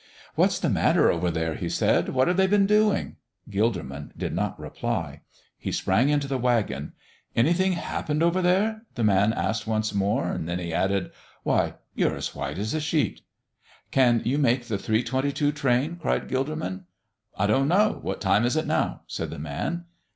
"What's the matter over there?" he said. "What have they been doing?" Gilderman did not reply. He sprang into the wagon. "Anything happened over there?" the man asked once more. Then he added: "Why, you're as white as a sheet." "Can you make the three twenty two train?" cried Gilderman. "I don't know. What time is it now?" said the man.